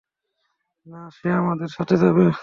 না, সে আমাদের সাথে যাবে।